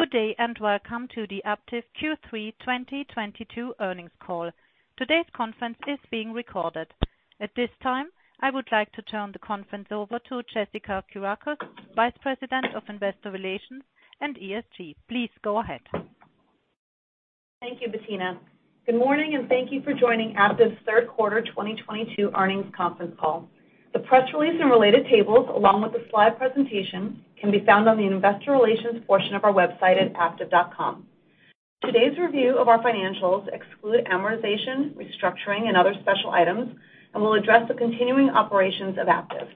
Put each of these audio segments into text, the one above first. Good day, and welcome to the Aptiv Q3 2022 earnings call. Today's conference is being recorded. At this time, I would like to turn the conference over to Jessica Kourakos, Vice President of Investor Relations and ESG. Please go ahead. Thank you, Bettina. Good morning, and thank you for joining Aptiv's third quarter 2022 earnings conference call. The press release and related tables along with the slide presentation can be found on the investor relations portion of our website at aptiv.com. Today's review of our financials exclude amortization, restructuring, and other special items, and will address the continuing operations of Aptiv.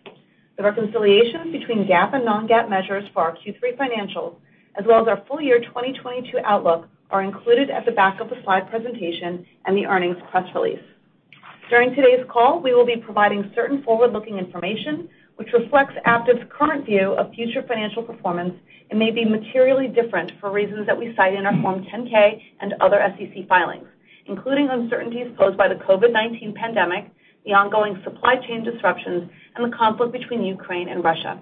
The reconciliation between GAAP and non-GAAP measures for our Q3 financials, as well as our full year 2022 outlook, are included at the back of the slide presentation and the earnings press release. During today's call, we will be providing certain forward-looking information which reflects Aptiv's current view of future financial performance and may be materially different for reasons that we cite in our Form 10-K and other SEC filings, including uncertainties posed by the COVID-19 pandemic, the ongoing supply chain disruptions, and the conflict between Ukraine and Russia.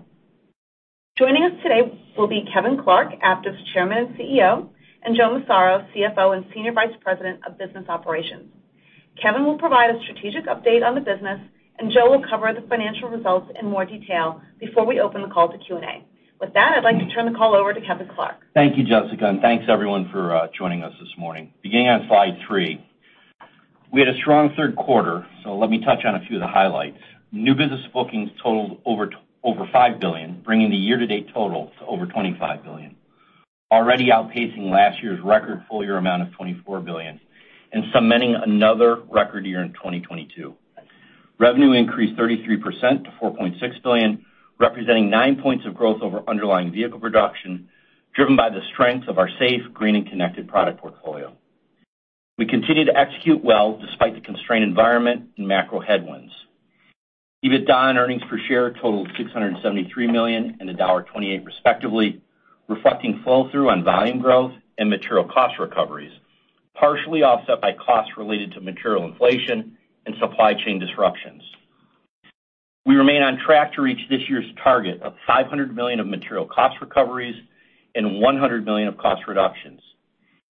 Joining us today will be Kevin Clark, Aptiv's Chairman and CEO, and Joe Massaro, CFO and Senior Vice President of Business Operations. Kevin will provide a strategic update on the business, and Joe will cover the financial results in more detail before we open the call to Q&A. With that, I'd like to turn the call over to Kevin Clark. Thank you, Jessica, and thanks everyone for joining us this morning. Beginning on slide three. We had a strong third quarter, so let me touch on a few of the highlights. New business bookings totaled over $5 billion, bringing the year-to-date total to over $25 billion, already outpacing last year's record full year amount of $24 billion and cementing another record year in 2022. Revenue increased 33% to $4.6 billion, representing 9 points of growth over underlying vehicle production, driven by the strength of our safe, green, and connected product portfolio. We continue to execute well despite the constrained environment and macro headwinds. EBITDA and earnings per share totaled $673 million and $1.28 respectively, reflecting flow-through on volume growth and material cost recoveries, partially offset by costs related to material inflation and supply chain disruptions. We remain on track to reach this year's target of $500 million of material cost recoveries and $100 million of cost reductions,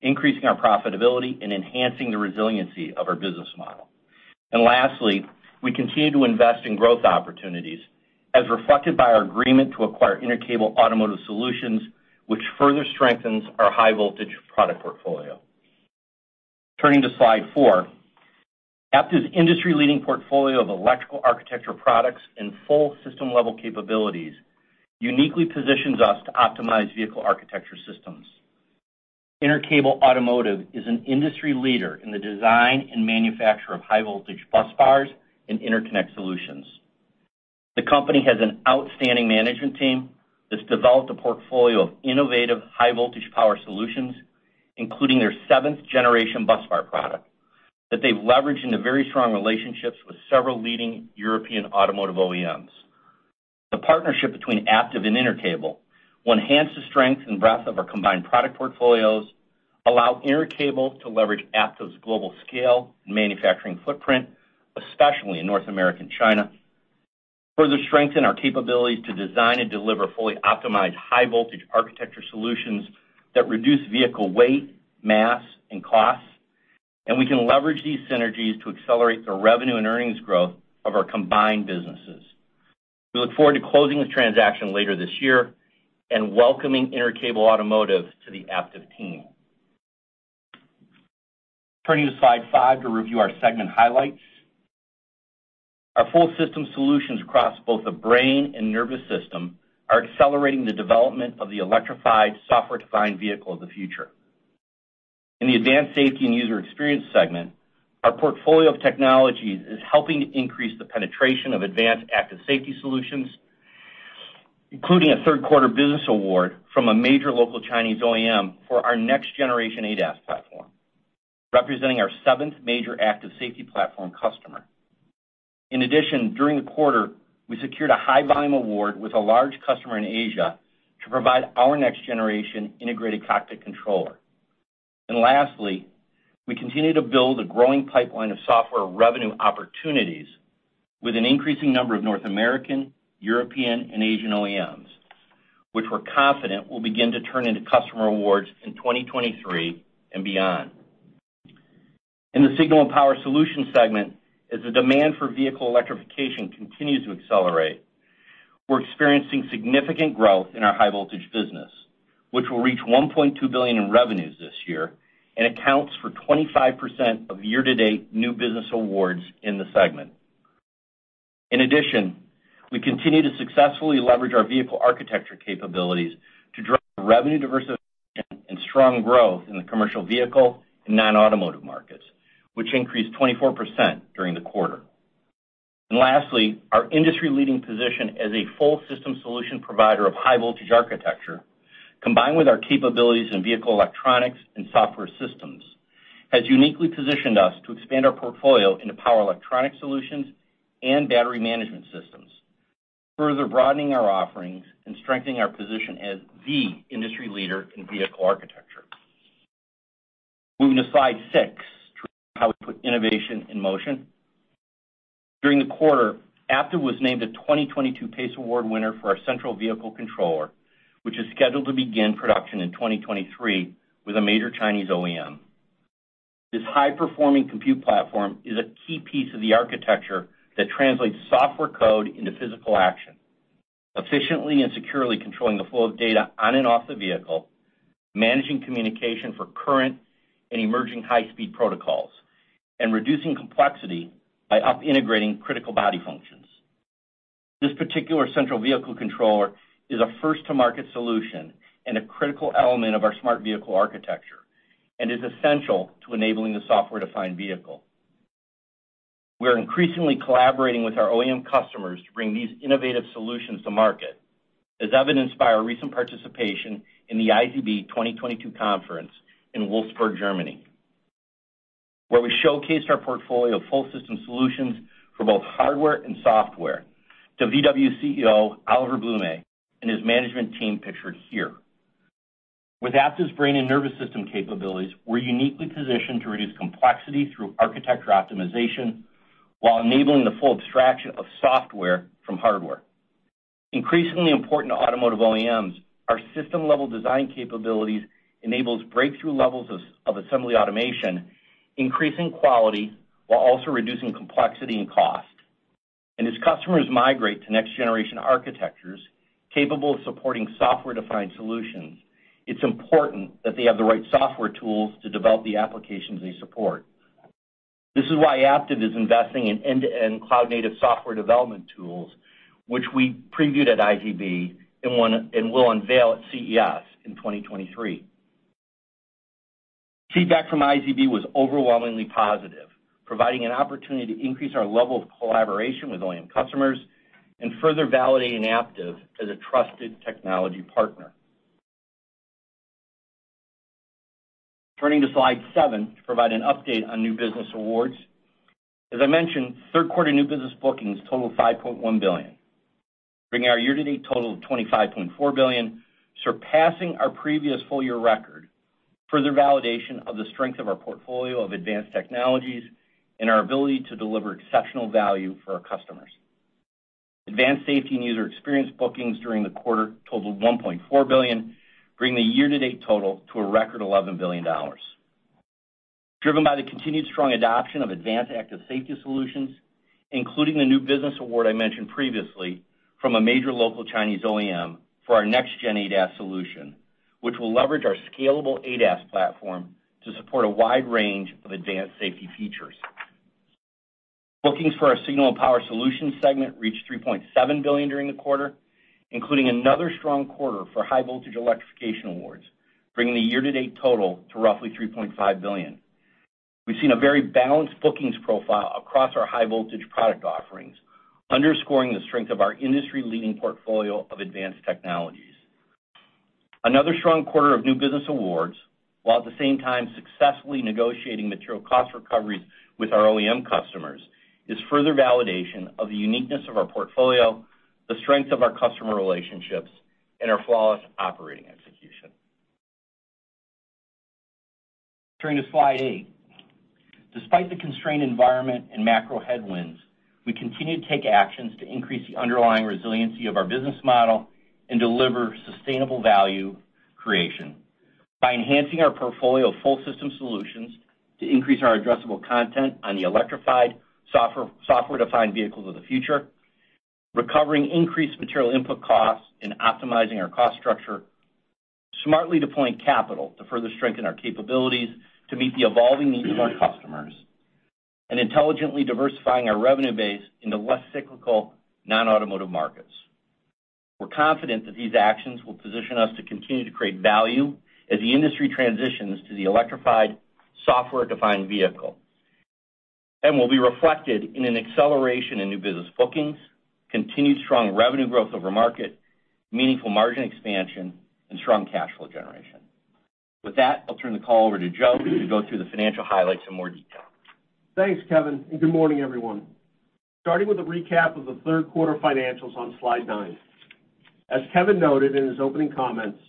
increasing our profitability and enhancing the resiliency of our business model. Lastly, we continue to invest in growth opportunities as reflected by our agreement to acquire Intercable Automotive Solutions, which further strengthens our high voltage product portfolio. Turning to slide 4. Aptiv's industry-leading portfolio of electrical architecture products and full system-level capabilities uniquely positions us to optimize vehicle architecture systems. Intercable Automotive is an industry leader in the design and manufacture of high voltage busbars and interconnect solutions. The company has an outstanding management team that's developed a portfolio of innovative high voltage power solutions, including their seventh generation busbar product that they've leveraged into very strong relationships with several leading European automotive OEMs. The partnership between Aptiv and Intercable will enhance the strength and breadth of our combined product portfolios, allow Intercable to leverage Aptiv's global scale and manufacturing footprint, especially in North America and China, further strengthen our capabilities to design and deliver fully optimized high voltage architecture solutions that reduce vehicle weight, mass, and cost, and we can leverage these synergies to accelerate the revenue and earnings growth of our combined businesses. We look forward to closing this transaction later this year and welcoming Intercable Automotive to the Aptiv team. Turning to slide five to review our segment highlights. Our full system solutions across both the brain and nervous system are accelerating the development of the electrified software-defined vehicle of the future. In the Advanced Safety and User Experience segment, our portfolio of technologies is helping to increase the penetration of advanced active safety solutions, including a third quarter business award from a major local Chinese OEM for our next generation ADAS platform, representing our seventh major active safety platform customer. In addition, during the quarter, we secured a high volume award with a large customer in Asia to provide our next generation integrated cockpit controller. Lastly, we continue to build a growing pipeline of software revenue opportunities with an increasing number of North American, European, and Asian OEMs, which we're confident will begin to turn into customer awards in 2023 and beyond. In the Signal and Power Solutions segment, as the demand for vehicle electrification continues to accelerate, we're experiencing significant growth in our high voltage business, which will reach $1.2 billion in revenues this year and accounts for 25% of year-to-date new business awards in the segment. In addition, we continue to successfully leverage our vehicle architecture capabilities to drive revenue diversification and strong growth in the commercial vehicle and non-automotive markets, which increased 24% during the quarter. Lastly, our industry-leading position as a full system solution provider of high voltage architecture, combined with our capabilities in vehicle electronics and software systems, has uniquely positioned us to expand our portfolio into power electronic solutions and battery management systems, further broadening our offerings and strengthening our position as the industry leader in vehicle architecture. Moving to slide 6, how we put innovation in motion. During the quarter, Aptiv was named the 2022 PACE Award winner for our central vehicle controller, which is scheduled to begin production in 2023 with a major Chinese OEM. This high-performing compute platform is a key piece of the architecture that translates software code into physical action, efficiently and securely controlling the flow of data on and off the vehicle, managing communication for current and emerging high-speed protocols, and reducing complexity by up-integrating critical body functions. This particular central vehicle controller is a first to market solution and a critical element of our Smart Vehicle Architecture, and is essential to enabling the software-defined vehicle. We are increasingly collaborating with our OEM customers to bring these innovative solutions to market, as evidenced by our recent participation in the IZB 2022 conference in Wolfsburg, Germany, where we showcased our portfolio of full system solutions for both hardware and software to VW CEO Oliver Blume and his management team pictured here. With Aptiv's brain and nervous system capabilities, we're uniquely positioned to reduce complexity through architecture optimization while enabling the full abstraction of software from hardware. Increasingly important to automotive OEMs, our system-level design capabilities enables breakthrough levels of assembly automation, increasing quality while also reducing complexity and cost. Customers migrate to next generation architectures capable of supporting software-defined solutions, it's important that they have the right software tools to develop the applications they support. This is why Aptiv is investing in end-to-end cloud native software development tools, which we previewed at IZB and will unveil at CES in 2023. Feedback from IZB was overwhelmingly positive, providing an opportunity to increase our level of collaboration with OEM customers and further validating Aptiv as a trusted technology partner. Turning to slide 7 to provide an update on new business awards. As I mentioned, third quarter new business bookings totaled $5.1 billion, bringing our year-to-date total of $25.4 billion, surpassing our previous full year record, further validation of the strength of our portfolio of advanced technologies and our ability to deliver exceptional value for our customers. Advanced Safety and User Experience bookings during the quarter totaled $1.4 billion, bringing the year-to-date total to a record $11 billion. Driven by the continued strong adoption of advanced active safety solutions, including the new business award I mentioned previously from a major local Chinese OEM for our next gen ADAS solution, which will leverage our scalable ADAS platform to support a wide range of advanced safety features. Bookings for our Signal and Power Solutions segment reached $3.7 billion during the quarter, including another strong quarter for high voltage electrification awards, bringing the year-to-date total to roughly $3.5 billion. We've seen a very balanced bookings profile across our high voltage product offerings, underscoring the strength of our industry-leading portfolio of advanced technologies. Another strong quarter of new business awards, while at the same time successfully negotiating material cost recoveries with our OEM customers, is further validation of the uniqueness of our portfolio, the strength of our customer relationships, and our flawless operating execution. Turning to slide eight. Despite the constrained environment and macro headwinds, we continue to take actions to increase the underlying resiliency of our business model and deliver sustainable value creation by enhancing our portfolio of full system solutions to increase our addressable content on the electrified software-defined vehicles of the future, recovering increased material input costs and optimizing our cost structure, smartly deploying capital to further strengthen our capabilities to meet the evolving needs of our customers, and intelligently diversifying our revenue base into less cyclical non-automotive markets. We're confident that these actions will position us to continue to create value as the industry transitions to the electrified software-defined vehicle, and will be reflected in an acceleration in new business bookings, continued strong revenue growth over market, meaningful margin expansion, and strong cash flow generation. With that, I'll turn the call over to Joe to go through the financial highlights in more detail. Thanks, Kevin, and good morning, everyone. Starting with a recap of the third quarter financials on slide 9. As Kevin noted in his opening comments,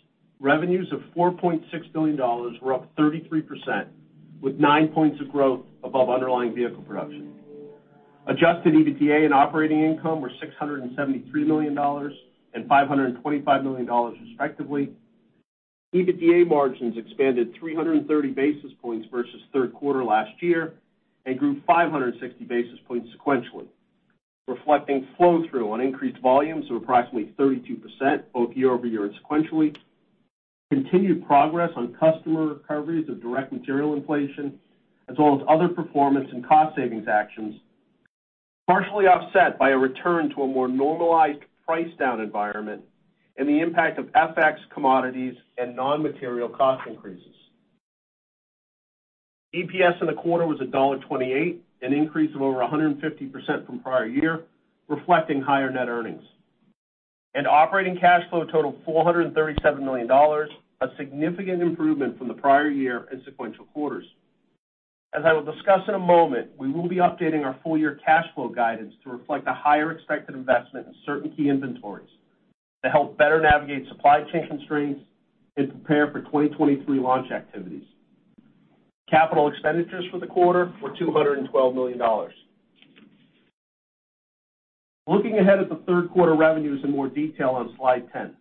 revenues of $4.6 billion were up 33%, with 9 points of growth above underlying vehicle production. Adjusted EBITDA and operating income were $673 million and $525 million, respectively. EBITDA margins expanded 330 basis points versus third quarter last year and grew 560 basis points sequentially, reflecting flow-through on increased volumes of approximately 32% both year-over-year and sequentially. Continued progress on customer recoveries of direct material inflation, as well as other performance and cost savings actions, partially offset by a return to a more normalized price down environment and the impact of FX, commodities and non-material cost increases. EPS in the quarter was $1.28, an increase of over 150% from prior year, reflecting higher net earnings. Operating cash flow totaled $437 million, a significant improvement from the prior year and sequential quarters. As I will discuss in a moment, we will be updating our full year cash flow guidance to reflect the higher expected investment in certain key inventories to help better navigate supply chain constraints and prepare for 2023 launch activities. Capital expenditures for the quarter were $212 million. Looking ahead at the third quarter revenues in more detail on slide 10.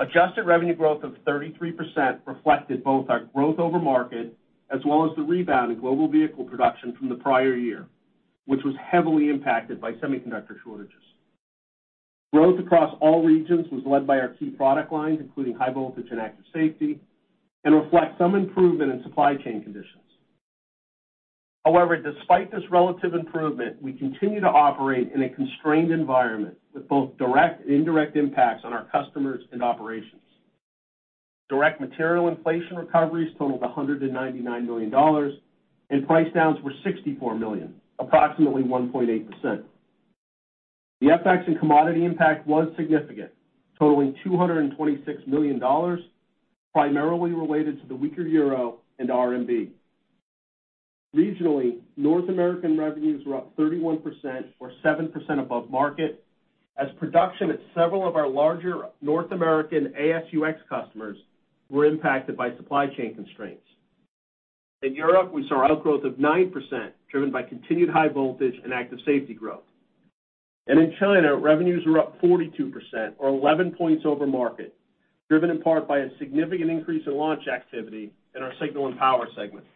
Adjusted revenue growth of 33% reflected both our growth over market as well as the rebound in global vehicle production from the prior year, which was heavily impacted by semiconductor shortages. Growth across all regions was led by our key product lines, including high voltage and active safety, and reflects some improvement in supply chain conditions. However, despite this relative improvement, we continue to operate in a constrained environment with both direct and indirect impacts on our customers and operations. Direct material inflation recoveries totaled $199 million and price downs were $64 million, approximately 1.8%. The FX and commodity impact was significant, totaling $226 million, primarily related to the weaker euro and RMB. Regionally, North American revenues were up 31% or 7% above market as production at several of our larger North American ASUX customers were impacted by supply chain constraints. In Europe, we saw outgrowth of 9%, driven by continued high voltage and active safety growth. In China, revenues were up 42% or 11 points over market, driven in part by a significant increase in launch activity in our Signal and Power Solutions segment.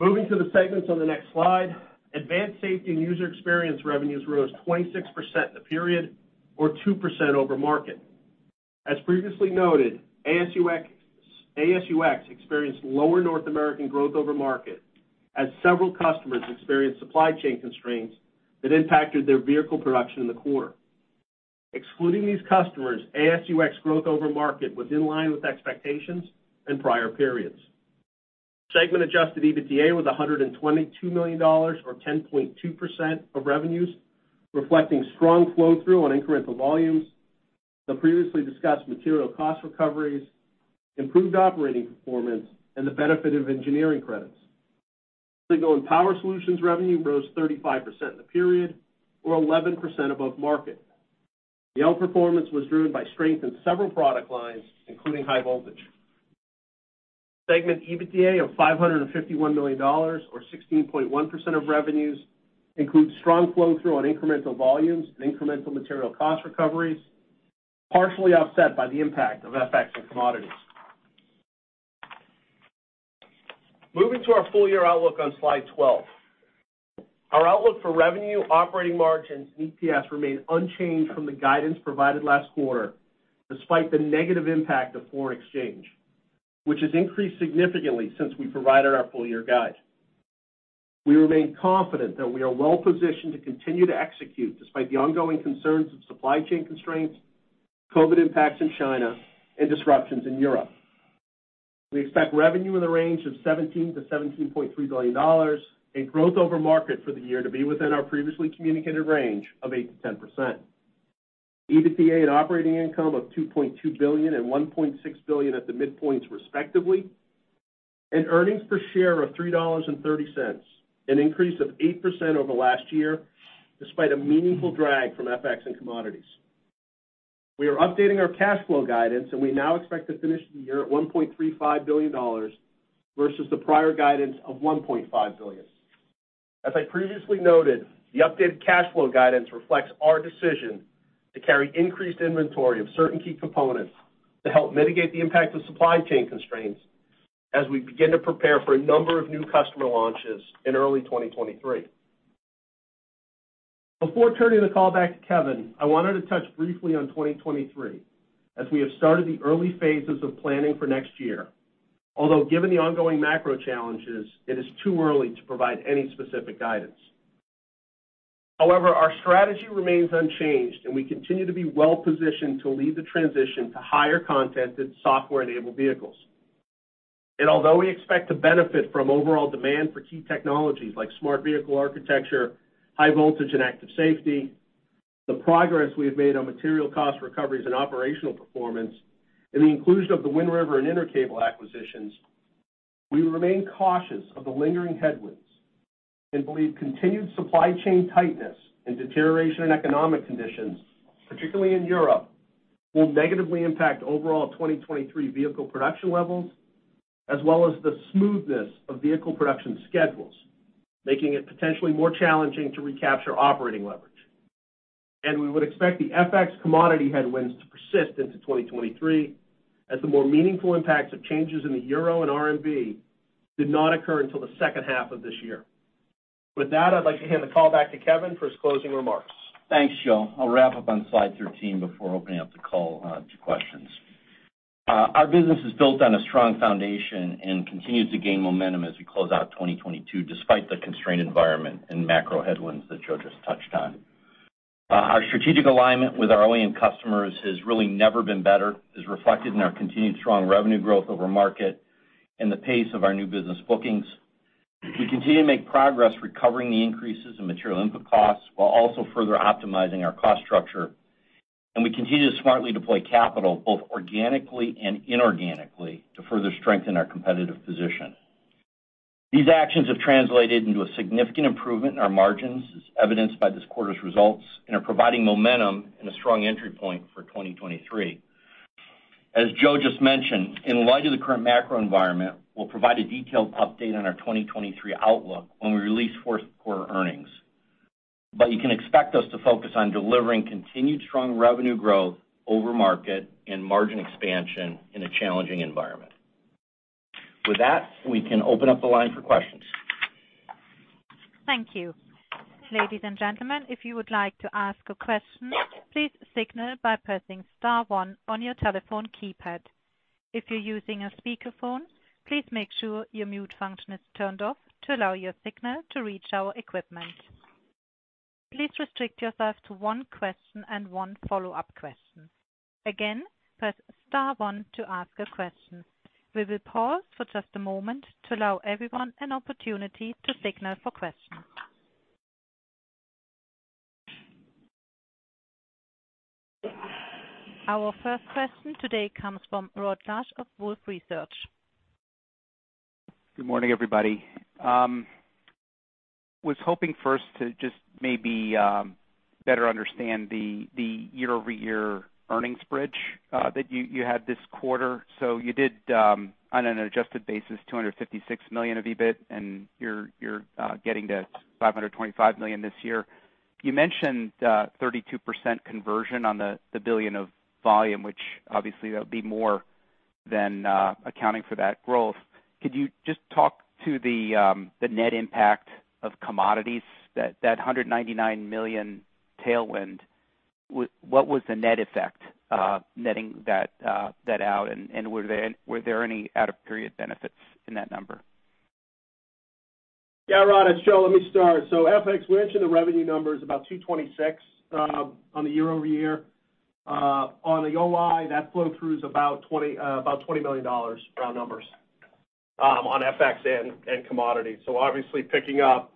Moving to the segments on the next slide, Advanced Safety and User Experience revenues rose 26% in the period or 2% over market. As previously noted, ASUX experienced lower North American growth over market as several customers experienced supply chain constraints that impacted their vehicle production in the quarter. Excluding these customers, ASUX growth over market was in line with expectations and prior periods. Segment adjusted EBITDA was $122 million or 10.2% of revenues, reflecting strong flow-through on incremental volumes, the previously discussed material cost recoveries, improved operating performance, and the benefit of engineering credits. Signal and Power Solutions revenue rose 35% in the period or 11% above market. The outperformance was driven by strength in several product lines, including high voltage. Segment EBITDA of $551 million or 16.1% of revenues includes strong flow-through on incremental volumes and incremental material cost recoveries, partially offset by the impact of FX and commodities. Moving to our full year outlook on slide 12. Our outlook for revenue, operating margins, and EPS remain unchanged from the guidance provided last quarter, despite the negative impact of foreign exchange, which has increased significantly since we provided our full year guide. We remain confident that we are well-positioned to continue to execute despite the ongoing concerns of supply chain constraints, COVID impacts in China and disruptions in Europe. We expect revenue in the range of $17 billion-$17.3 billion and growth over market for the year to be within our previously communicated range of 8%-10%. EBITDA and operating income of $2.2 billion and $1.6 billion at the midpoints, respectively, and earnings per share of $3.30, an increase of 8% over last year, despite a meaningful drag from FX and commodities. We are updating our cash flow guidance, and we now expect to finish the year at $1.35 billion versus the prior guidance of $1.5 billion. As I previously noted, the updated cash flow guidance reflects our decision to carry increased inventory of certain key components to help mitigate the impact of supply chain constraints as we begin to prepare for a number of new customer launches in early 2023. Before turning the call back to Kevin, I wanted to touch briefly on 2023, as we have started the early phases of planning for next year. Although given the ongoing macro challenges, it is too early to provide any specific guidance. However, our strategy remains unchanged, and we continue to be well-positioned to lead the transition to higher content in software-enabled vehicles. Although we expect to benefit from overall demand for key technologies like Smart Vehicle Architecture, high voltage and active safety, the progress we have made on material cost recoveries and operational performance, and the inclusion of the Wind River and Intercable acquisitions, we remain cautious of the lingering headwinds and believe continued supply chain tightness and deterioration in economic conditions, particularly in Europe, will negatively impact overall 2023 vehicle production levels, as well as the smoothness of vehicle production schedules, making it potentially more challenging to recapture operating leverage. We would expect the FX commodity headwinds to persist into 2023 as the more meaningful impacts of changes in the euro and RMB did not occur until the second half of this year. With that, I'd like to hand the call back to Kevin for his closing remarks. Thanks, Joe. I'll wrap up on slide 13 before opening up the call to questions. Our business is built on a strong foundation and continues to gain momentum as we close out 2022, despite the constrained environment and macro headwinds that Joe just touched on. Our strategic alignment with our OEM customers has really never been better, as reflected in our continued strong revenue growth over market and the pace of our new business bookings. We continue to make progress recovering the increases in material input costs while also further optimizing our cost structure. We continue to smartly deploy capital both organically and inorganically to further strengthen our competitive position. These actions have translated into a significant improvement in our margins, as evidenced by this quarter's results, and are providing momentum and a strong entry point for 2023. As Joe just mentioned, in light of the current macro environment, we'll provide a detailed update on our 2023 outlook when we release fourth-quarter earnings. You can expect us to focus on delivering continued strong revenue growth over market and margin expansion in a challenging environment. With that, we can open up the line for questions. Thank you. Ladies and gentlemen, if you would like to ask a question, please signal by pressing star one on your telephone keypad. If you're using a speakerphone, please make sure your mute function is turned off to allow your signal to reach our equipment. Please restrict yourself to one question and one follow-up question. Again, press star one to ask a question. We will pause for just a moment to allow everyone an opportunity to signal for questions. Ou r first question today comes from Rod Lache of Wolfe Research. Good morning, everybody. Was hoping first to just maybe better understand the year-over-year earnings bridge that you had this quarter. You did, on an adjusted basis, $256 million of EBIT, and you're getting to $525 million this year. You mentioned 32% conversion on the billion of volume, which obviously that would be more than accounting for that growth. Could you just talk to the net impact of commodities that hundred and ninety-nine million tailwind? What was the net effect, netting that out, and were there any out-of-period benefits in that number? Yeah. Rod, it's Joe, let me start. FX, we mentioned the revenue number is about $226 million on the year-over-year. On the OI, that flow through is about $20 million, round numbers, on FX and commodities. Obviously picking up,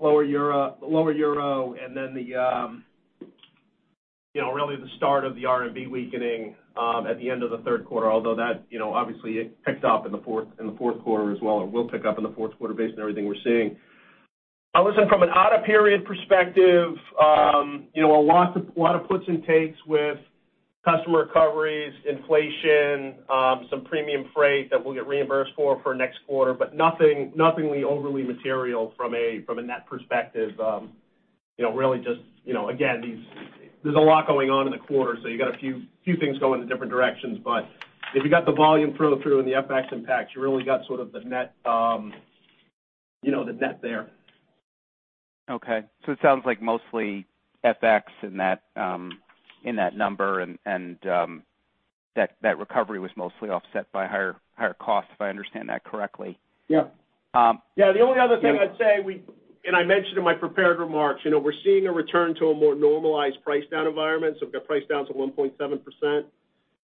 lower euro and then, you know, really the start of the RMB weakening at the end of the third quarter, although that, you know, obviously it picked up in the fourth quarter as well, or will pick up in the fourth quarter based on everything we're seeing. Now listen, from an out-of-period perspective, you know, a lot of puts and takes with customer recoveries, inflation, some premium freight that we'll get reimbursed for next quarter, but nothing overly material from a net perspective. You know, really just, you know, again, these. There's a lot going on in the quarter, so you got a few things going in different directions. If you got the volume flow through and the FX impact, you really got sort of the net, you know, the net there. Okay. It sounds like mostly FX in that number and that recovery was mostly offset by higher costs, if I understand that correctly. Yeah. Um- Yeah, the only other thing I'd say. I mentioned in my prepared remarks, you know, we're seeing a return to a more normalized price down environment, so we've got price downs of 1.7%.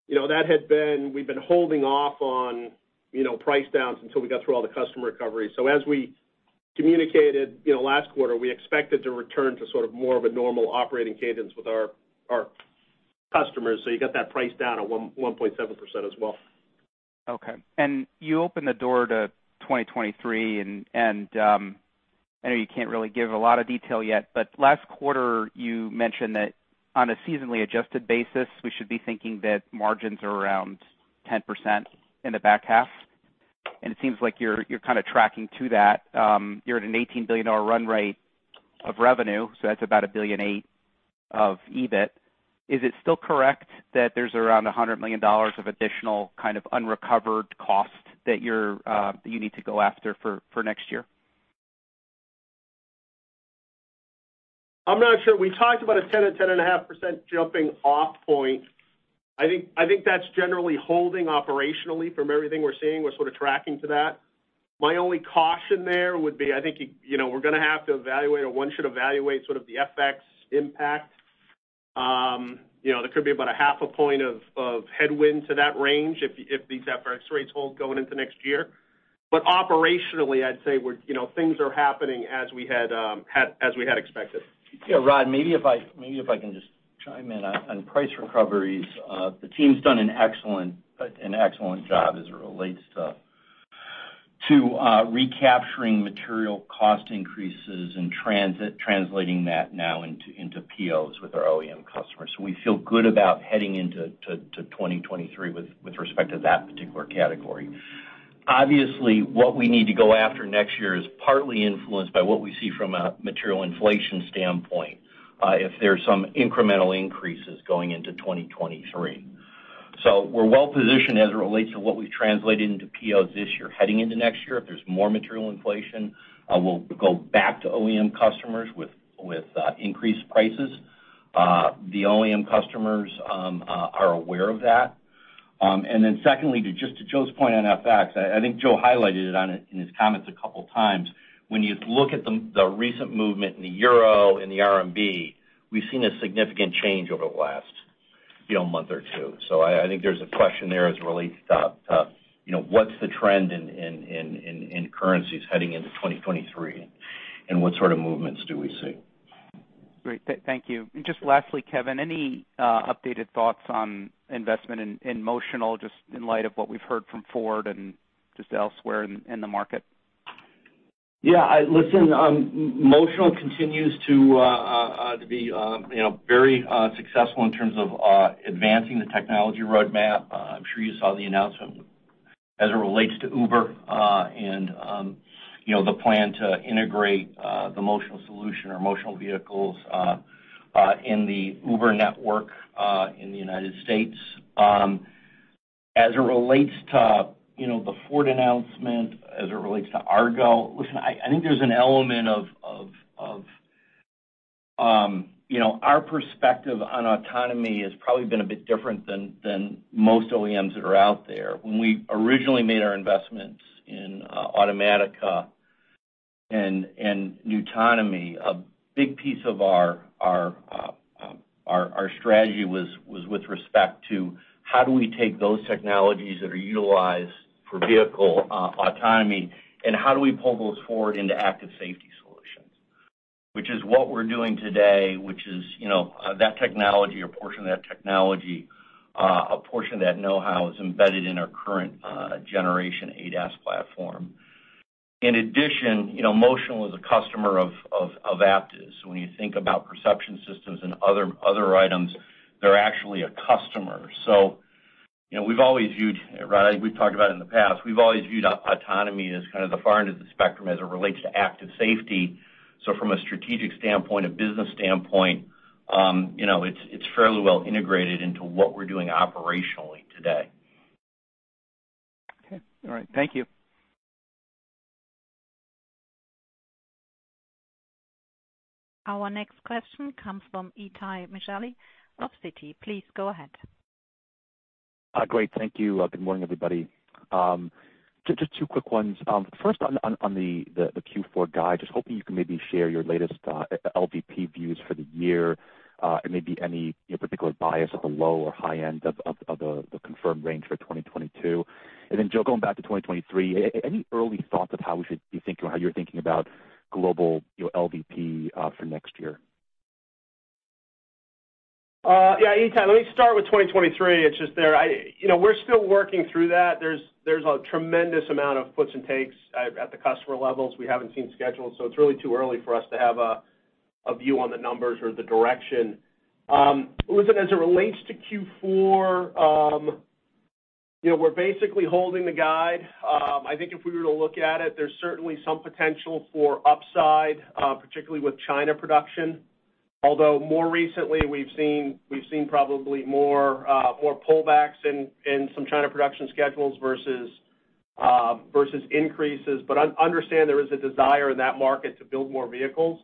You know, we've been holding off on, you know, price downs until we got through all the customer recovery. As we communicated, you know, last quarter, we expected to return to sort of more of a normal operating cadence with our customers, so you got that price down at 1.7% as well. Okay. You opened the door to 2023 and I know you can't really give a lot of detail yet, but last quarter you mentioned that on a seasonally adjusted basis, we should be thinking that margins are around 10% in the back half. It seems like you're kind of tracking to that. You're at an $18 billion run rate of revenue, so that's about $1.8 billion of EBIT. Is it still correct that there's around $100 million of additional kind of unrecovered costs that you need to go after for next year? I'm not sure. We talked about a 10%-10.5% jumping off point. I think that's generally holding operationally from everything we're seeing. We're sort of tracking to that. My only caution there would be, I think, you know, we're gonna have to evaluate, or one should evaluate sort of the FX impact. You know, there could be about a half a point of headwind to that range if these FX rates hold going into next year. Operationally, I'd say we're, you know, things are happening as we had expected. Yeah. Rod, maybe if I can just chime in on price recoveries. The team's done an excellent job as it relates to recapturing material cost increases and translating that now into POs with our OEM customers. We feel good about heading into 2023 with respect to that particular category. Obviously, what we need to go after next year is partly influenced by what we see from a material inflation standpoint, if there's some incremental increases going into 2023. We're well positioned as it relates to what we've translated into POs this year. Heading into next year, if there's more material inflation, we'll go back to OEM customers with increased prices. The OEM customers are aware of that. Secondly, to just Joe's point on FX, I think Joe highlighted it in his comments a couple times. When you look at the recent movement in the euro and the RMB, we've seen a significant change over the last, you know, month or two. I think there's a question there as it relates to, you know, what's the trend in currencies heading into 2023, and what sort of movements do we see? Great. Thank you. Just lastly, Kevin, any updated thoughts on investment in Motional just in light of what we've heard from Ford and just elsewhere in the market? Yeah. Listen, Motional continues to be, you know, very successful in terms of advancing the technology roadmap. I'm sure you saw the announcement as it relates to Uber, and you know, the plan to integrate the Motional solution or Motional vehicles in the Uber network in the United States. As it relates to you know, the Ford announcement, as it relates to Argo, listen, I think there's an element of you know, our perspective on autonomy has probably been a bit different than most OEMs that are out there. When we originally made our investments in Ottomatika and nuTonomy, a big piece of our strategy was with respect to how do we take those technologies that are utilized for vehicle autonomy, and how do we pull those forward into active safety solutions? Which is what we're doing today, you know, that technology or portion of that technology, a portion of that know-how is embedded in our current generation ADAS platform. In addition, you know, Motional is a customer of Aptiv. So when you think about perception systems and other items, they're actually a customer. So, you know, right, we've talked about in the past, we've always viewed autonomy as kind of the far end of the spectrum as it relates to active safety. From a strategic standpoint, a business standpoint, you know, it's fairly well integrated into what we're doing operationally today. Okay. All right. Thank you. Our next question comes from Itay Michaeli of Citi. Please go ahead. Great. Thank you. Good morning, everybody. Just two quick ones. First on the Q4 guide, just hoping you can maybe share your latest LVP views for the year, and maybe any particular bias at the low or high end of the confirmed range for 2022. Then Joe, going back to 2023, any early thoughts of how we should be thinking or how you're thinking about global, you know, LVP for next year? Yeah, Itay, let me start with 2023. It's just there. You know, we're still working through that. There's a tremendous amount of puts and takes at the customer levels. We haven't seen schedules, so it's really too early for us to have a view on the numbers or the direction. Listen, as it relates to Q4, you know, we're basically holding the guide. I think if we were to look at it, there's certainly some potential for upside, particularly with China production. Although more recently we've seen probably more pullbacks in some China production schedules versus increases. Understand there is a desire in that market to build more vehicles.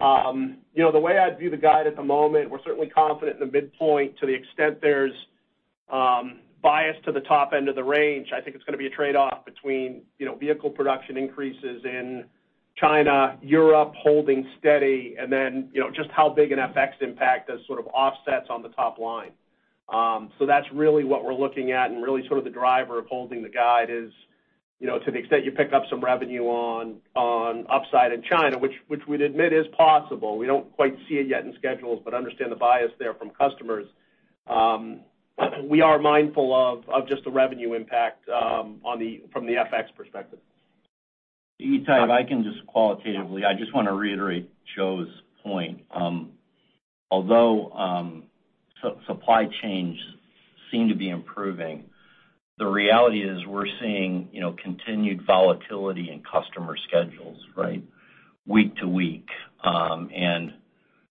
You know, the way I'd view the guide at the moment, we're certainly confident in the midpoint to the extent there's bias to the top end of the range. I think it's gonna be a trade-off between, you know, vehicle production increases in China, Europe holding steady, and then, you know, just how big an FX impact as sort of offsets on the top line. That's really what we're looking at and really sort of the driver of holding the guide is, you know, to the extent you pick up some revenue on upside in China, which we'd admit is possible. We don't quite see it yet in schedules, but understand the bias there from customers. We are mindful of just the revenue impact from the FX perspective. Itay, if I can just qualitatively, I just wanna reiterate Joe's point. Although supply chains seem to be improving, the reality is we're seeing, you know, continued volatility in customer schedules, right? Week to week.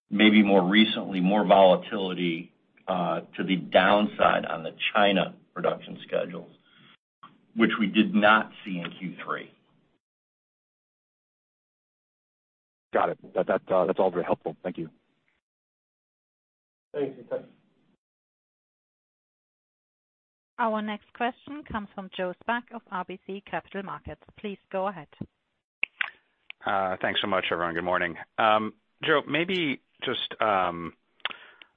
Maybe more recently, more volatility to the downside on the China production schedules, which we did not see in Q3. Got it. That's all very helpful. Thank you. Thanks, Itay. Our next question comes from Joe Spak of RBC Capital Markets. Please go ahead. Thanks so much, everyone. Good morning. Joe, maybe just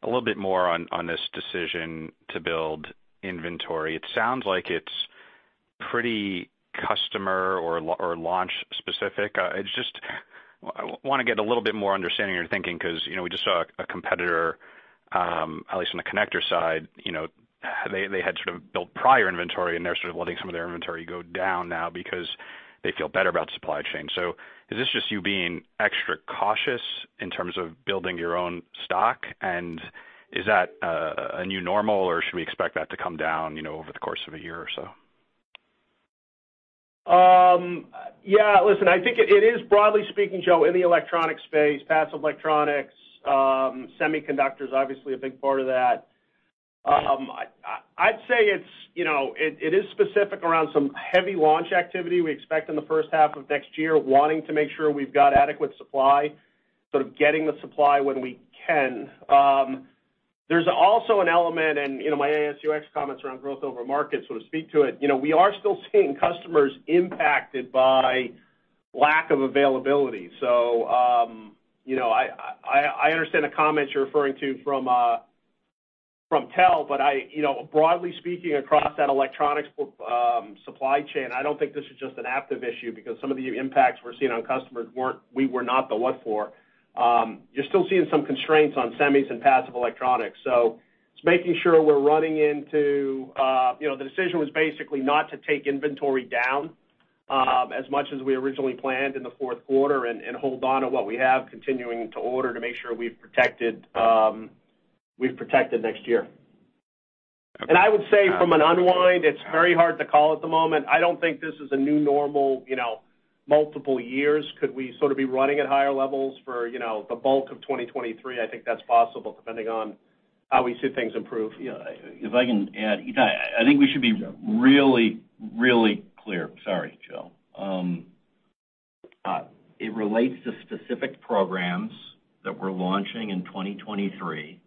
a little bit more on this decision to build inventory. It sounds like it's pretty customer or launch specific. It's just I wanna get a little bit more understanding of your thinking 'cause, you know, we just saw a competitor, at least on the connector side, you know, they had sort of built prior inventory and they're sort of letting some of their inventory go down now because they feel better about supply chain. Is this just you being extra cautious in terms of building your own stock? And is that a new normal or should we expect that to come down, you know, over the course of a year or so? Yeah, listen, I think it is broadly speaking, Joe, in the electronic space, passive electronics, semiconductors, obviously a big part of that. I'd say it's, you know, it is specific around some heavy launch activity we expect in the first half of next year, wanting to make sure we've got adequate supply, sort of getting the supply when we can. There's also an element, you know, my ASUX comments around growth over market sort of speak to it. You know, we are still seeing customers impacted by lack of availability. I understand the comments you're referring to from TE, but you know, broadly speaking, across that electronics supply chain, I don't think this is just an Aptiv issue because some of the impacts we're seeing on customers, we were not the worst for. You're still seeing some constraints on semis and passive electronics. The decision was basically not to take inventory down as much as we originally planned in the fourth quarter and hold on to what we have, continuing to order to make sure we've protected next year. I would say from an unwind, it's very hard to call at the moment. I don't think this is a new normal, you know, multiple years. Could we sort of be running at higher levels for, you know, the bulk of 2023? I think that's possible, depending on how we see things improve. Yeah. If I can add, I think we should be really clear. Sorry, Joe. It relates to specific programs that we're launching in 2023,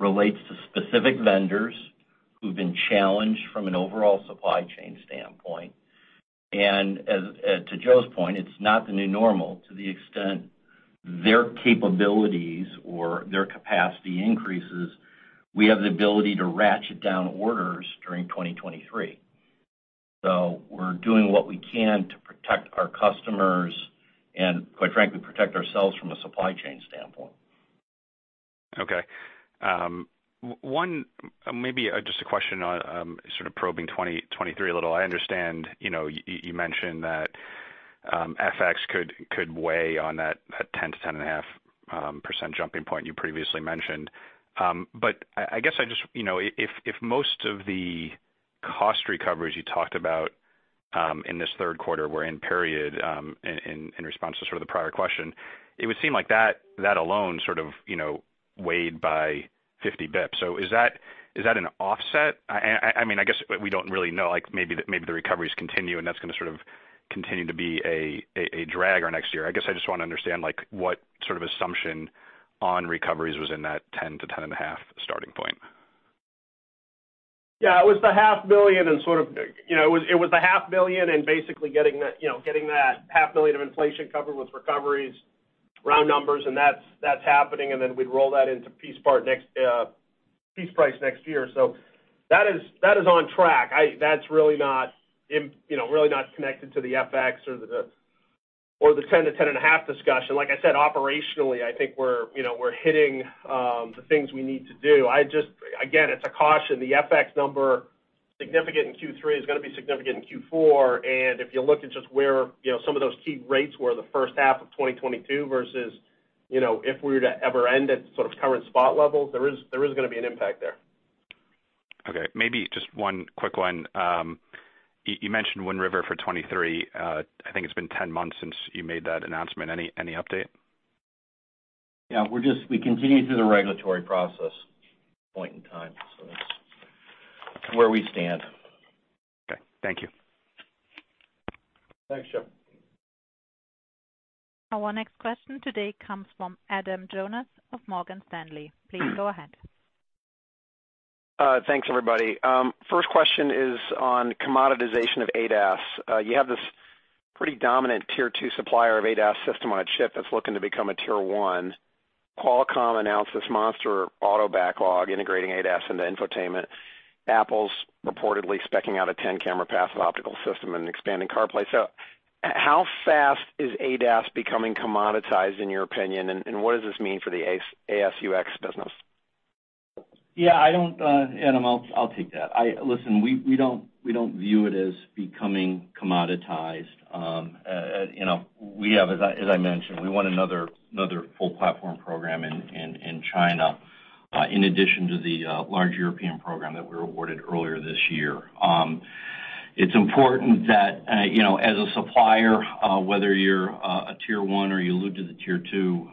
relates to specific vendors who've been challenged from an overall supply chain standpoint. To Joe's point, it's not the new normal. To the extent their capabilities or their capacity increases, we have the ability to ratchet down orders during 2023. We're doing what we can to protect our customers and, quite frankly, protect ourselves from a supply chain standpoint. Okay. One maybe just a question on, sort of probing 2023 a little. I understand, you know, you mentioned that, FX could weigh on that, 10%-10.5% jumping point you previously mentioned. I guess I just, you know, if most of the cost recoveries you talked about, in this third quarter were in period, in response to sort of the prior question, it would seem like that alone sort of weighed by 50 basis points. Is that an offset? I mean, I guess we don't really know, like maybe the recoveries continue, and that's gonna sort of continue to be a drag on next year. I guess I just wanna understand, like, what sort of assumption on recoveries was in that 10%-10.5% starting point? Yeah, it was the half billion, sort of, you know, it was the half billion and basically getting that, you know, getting that $500 billion of inflation covered with recoveries, round numbers, and that's happening. Then we'd roll that into piece price next year. That is on track. That's really not, you know, connected to the FX or the 10%-10.5% discussion. Like I said, operationally, I think we're, you know, hitting the things we need to do. I just, again, it's a caution. The FX number, significant in Q3, is gonna be significant in Q4. If you look at just where, you know, some of those key rates were the first half of 2022 versus, you know, if we were to ever end at sort of current spot levels, there is gonna be an impact there. Okay, maybe just one quick one. You mentioned Wind River for 2023. I think it's been 10 months since you made that announcement. Any update? Yeah, we continue through the regulatory process point in time. That's where we stand. Okay, thank you. Thanks, Joe. Our next question today comes from Adam Jonas of Morgan Stanley. Please go ahead. Thanks, everybody. First question is on commoditization of ADAS. You have this pretty dominant tier two supplier of ADAS system on a chip that's looking to become a tier one. Qualcomm announced this monster auto backlog integrating ADAS into infotainment. Apple's reportedly speccing out a 10-camera passive optical system and expanding CarPlay. How fast is ADAS becoming commoditized, in your opinion, and what does this mean for the ASUX business? Yeah, I don't, Adam, I'll take that. Listen, we don't view it as becoming commoditized. You know, we have, as I mentioned, we won another full platform program in China, in addition to the large European program that we were awarded earlier this year. It's important that, you know, as a supplier, whether you're a tier one or a tier two,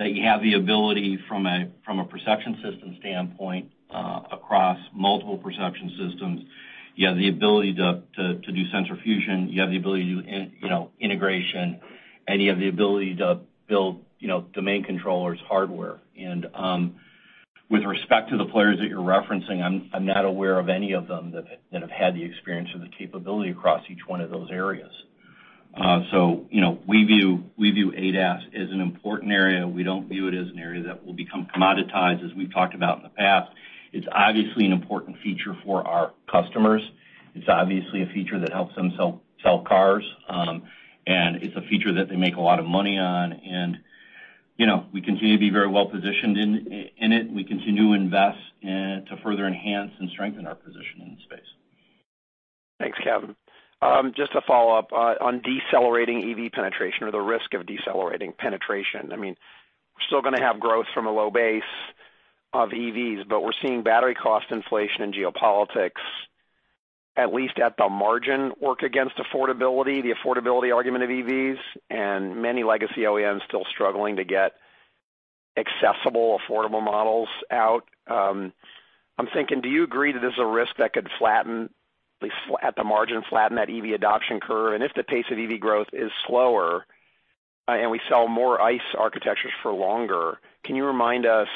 that you have the ability from a perception system standpoint, across multiple perception systems, you have the ability to do sensor fusion, you have the ability to do, you know, integration, and you have the ability to build, you know, domain controllers hardware. With respect to the players that you're referencing, I'm not aware of any of them that have had the experience or the capability across each one of those areas. You know, we view ADAS as an important area. We don't view it as an area that will become commoditized as we've talked about in the past. It's obviously an important feature for our customers. It's obviously a feature that helps them sell cars, and it's a feature that they make a lot of money on. You know, we continue to be very well positioned in it. We continue to invest to further enhance and strengthen our position in the space. Thanks, Kevin. Just to follow up on decelerating EV penetration or the risk of decelerating penetration. I mean, we're still gonna have growth from a low base of EVs, but we're seeing battery cost inflation and geopolitics, at least at the margin, work against affordability, the affordability argument of EVs, and many legacy OEMs still struggling to get accessible, affordable models out. I'm thinking, do you agree that there's a risk that could flatten, at least at the margin, flatten that EV adoption curve? If the pace of EV growth is slower, and we sell more ICE architectures for longer, can you remind us?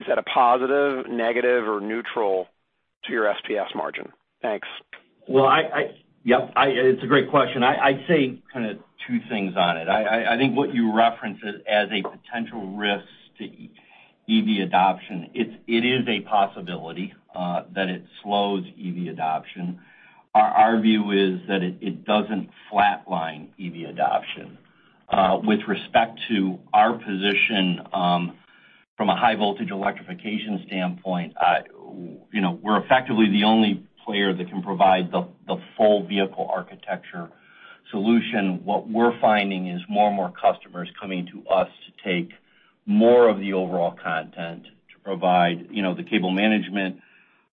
Is that a positive, negative or neutral to your SPS margin? Thanks. Well, yep. It's a great question. I'd say kinda two things on it. I think what you referenced as a potential risk to EV adoption, it is a possibility that it slows EV adoption. Our view is that it doesn't flatline EV adoption. With respect to our position, from a high voltage electrification standpoint, you know, we're effectively the only player that can provide the full vehicle architecture solution. What we're finding is more and more customers coming to us to take more of the overall content to provide, you know, the cable management,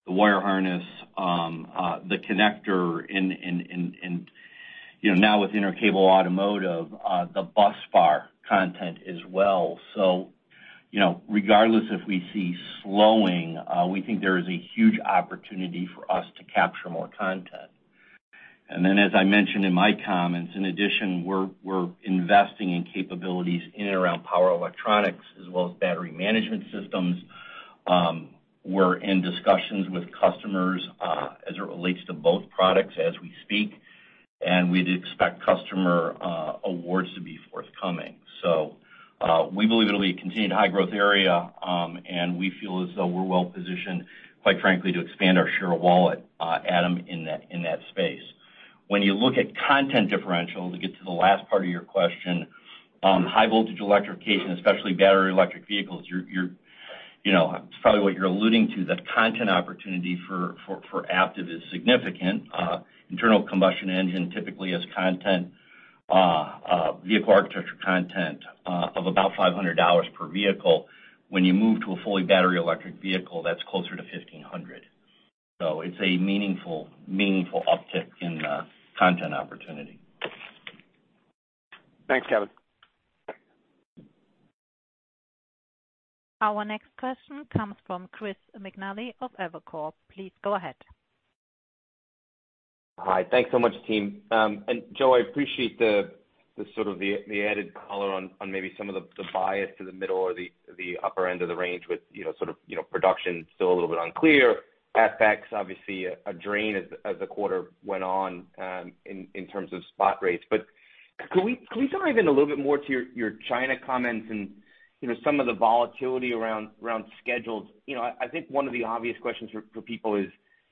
the wire harness, the connector in, you know, now with Intercable Automotive, the busbar content as well. You know, regardless if we see slowing, we think there is a huge opportunity for us to capture more content. As I mentioned in my comments, in addition, we're investing in capabilities in and around power electronics as well as battery management systems. We're in discussions with customers, as it relates to both products as we speak, and we'd expect customer awards to be forthcoming. We believe it'll be a continued high growth area, and we feel as though we're well positioned, quite frankly, to expand our share of wallet, Adam, in that space. When you look at content differential, to get to the last part of your question, high voltage electrification, especially battery electric vehicles, you know, it's probably what you're alluding to, the content opportunity for Aptiv is significant. Internal combustion engine typically has content, vehicle architecture content, of about $500 per vehicle. When you move to a fully battery electric vehicle, that's closer to $1,500. It's a meaningful uptick in content opportunity. Thanks, Kevin. Our next question comes from Chris McNally of Evercore. Please go ahead. Hi. Thanks so much, team. Joe, I appreciate the sort of added color on maybe some of the bias to the middle or the upper end of the range with, you know, sort of, you know, production still a little bit unclear. FX, obviously a drain as the quarter went on, in terms of spot rates. Could we dive in a little bit more to your China comments and, you know, some of the volatility around schedules? You know, I think one of the obvious questions for people is,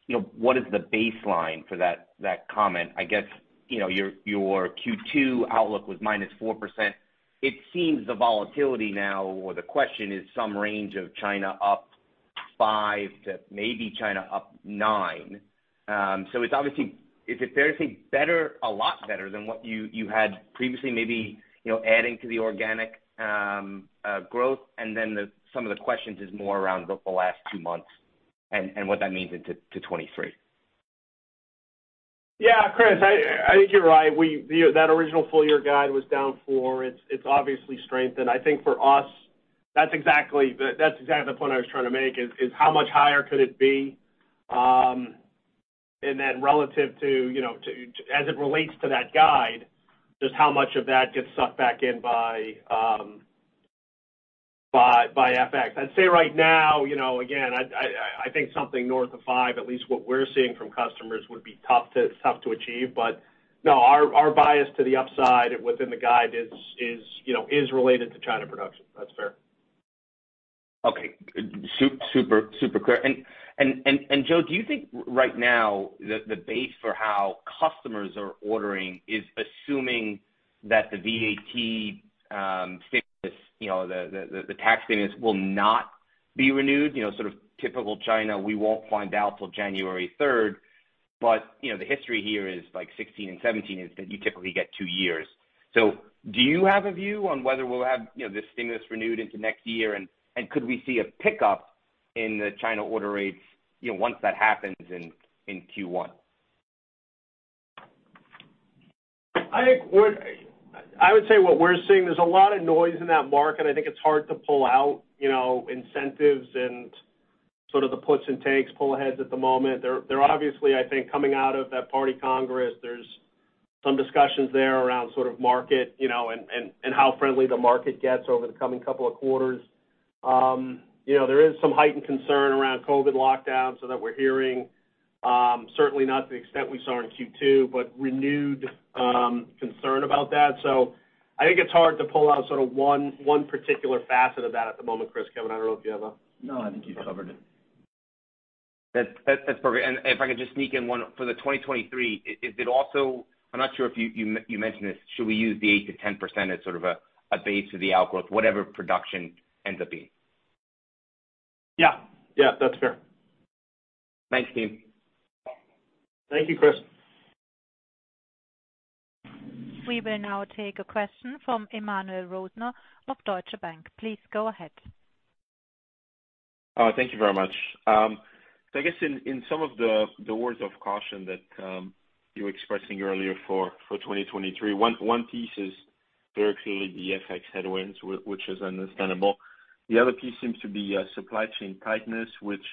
you know, what is the baseline for that comment? I guess, you know, your Q2 outlook was 4%. It seems the volatility now or the question is some range of China up 5% to maybe China up 9%. It's obviously. Is it fair to say better, a lot better than what you had previously, maybe, you know, adding to the organic growth? Then some of the questions is more around the last two months and what that means into to 2023. Yeah, Chris, I think you're right. That original full-year guide was down 4%. It's obviously strengthened. I think for us, that's exactly the point I was trying to make is how much higher could it be, and then relative to, you know, as it relates to that guide, just how much of that gets sucked back in by FX. I'd say right now, you know, again, I think something north of 5, at least what we're seeing from customers, would be tough to achieve. But no, our bias to the upside within the guide is related to China production. That's fair. Okay. Super clear. Joe, do you think right now the base for how customers are ordering is assuming that the VAT status, you know, the tax status will not be renewed? You know, sort of typical China, we won't find out till January 3rd, but you know, the history here is like 2016 and 2017 is that you typically get two years. Do you have a view on whether we'll have, you know, this stimulus renewed into next year and could we see a pickup in the China order rates, you know, once that happens in Q1? I would say what we're seeing, there's a lot of noise in that market. I think it's hard to pull out, you know, incentives and sort of the puts and takes, pull aheads at the moment. They're obviously, I think, coming out of that Party Congress. There's some discussions there around sort of market, you know, and how friendly the market gets over the coming couple of quarters. You know, there is some heightened concern around COVID lockdowns so that we're hearing, certainly not to the extent we saw in Q2, but renewed concern about that. I think it's hard to pull out sort of one particular facet of that at the moment, Chris. Kevin, I don't know if you have a- No, I think you've covered it. That's perfect. If I could just sneak in one. For 2023, is it also? I'm not sure if you mentioned this. Should we use the 8%-10% as sort of a base of the outlook, whatever production ends up being? Yeah. Yeah, that's fair. Thanks, team. Thank you, Chris. We will now take a question from Emmanuel Rosner of Deutsche Bank. Please go ahead. Thank you very much. I guess in some of the words of caution that you were expressing earlier for 2023, one piece is very clearly the FX headwinds which is understandable. The other piece seems to be supply chain tightness, which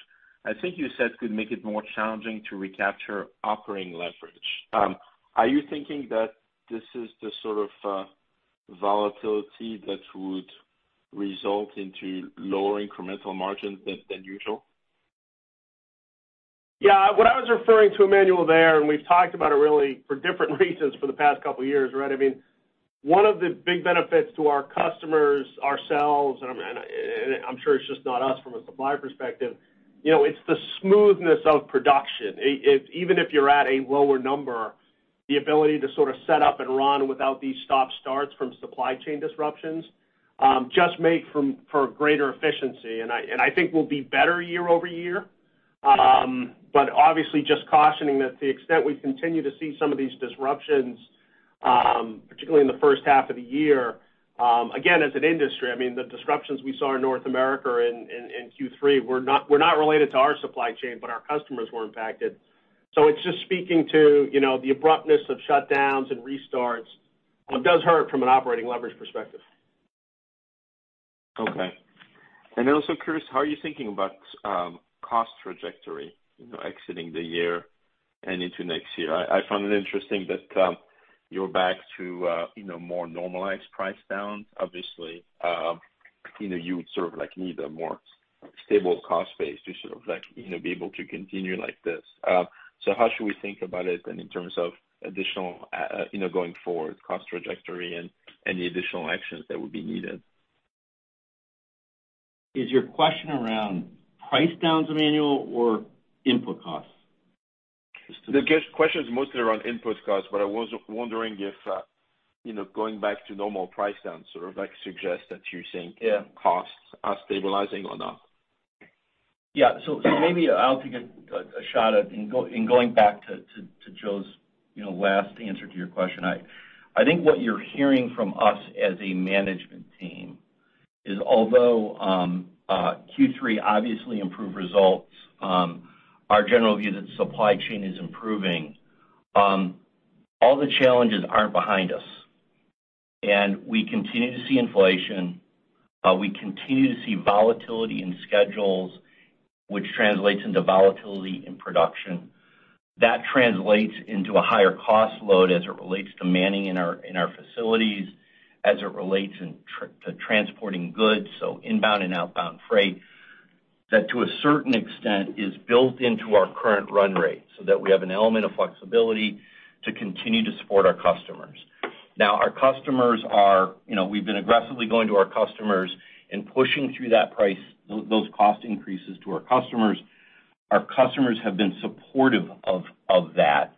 I think you said could make it more challenging to recapture operating leverage. Are you thinking that this is the sort of volatility that would result into lower incremental margins than usual? Yeah. What I was referring to, Emmanuel, there, and we've talked about it really for different reasons for the past couple years, right? I mean, one of the big benefits to our customers, ourselves, and I'm sure it's just not us from a supplier perspective, you know, it's the smoothness of production. Even if you're at a lower number, the ability to sort of set up and run without these stop-starts from supply chain disruptions just makes for greater efficiency. I think we'll be better year over year. Obviously just cautioning that the extent we continue to see some of these disruptions, particularly in the first half of the year, again, as an industry, I mean, the disruptions we saw in North America in Q3 were not related to our supply chain, but our customers were impacted. It's just speaking to, you know, the abruptness of shutdowns and restarts. It does hurt from an operating leverage perspective. Okay. Also curious, how are you thinking about cost trajectory, you know, exiting the year and into next year? I found it interesting that you're back to, you know, more normalized price downs. Obviously, you know, you would sort of like need a more stable cost base to sort of like, you know, be able to continue like this. How should we think about it then in terms of additional, you know, going forward cost trajectory and any additional actions that would be needed? Is your question around price downs, Emmanuel, or input costs? The question is mostly around input costs, but I was wondering if, you know, going back to normal price downs sort of like suggests that you're saying- Yeah Costs are stabilizing or not. Yeah. Maybe I'll take a shot at going back to Joe's, you know, last answer to your question. I think what you're hearing from us as a management team is although Q3 obviously improved results, our general view that supply chain is improving, all the challenges aren't behind us. We continue to see inflation, we continue to see volatility in schedules, which translates into volatility in production. That translates into a higher cost load as it relates to manning in our facilities, as it relates to transporting goods, so inbound and outbound freight, that to a certain extent is built into our current run rate so that we have an element of flexibility to continue to support our customers. Now, our customers are, you know, we've been aggressively going to our customers and pushing through that price, those cost increases to our customers. Our customers have been supportive of that.